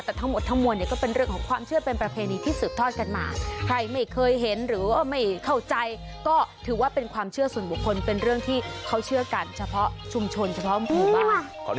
แต่ทั้งหมดทั้งมวลเนี่ยก็เป็นเรื่องของความเชื่อเป็นประเพณีที่สืบทอดกันมาใครไม่เคยเห็นหรือว่าไม่เข้าใจก็ถือว่าเป็นความเชื่อส่วนบุคคลเป็นเรื่องที่เขาเชื่อกันเฉพาะชุมชนเฉพาะหมู่บ้าน